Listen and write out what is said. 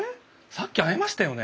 さっき会いましたよね？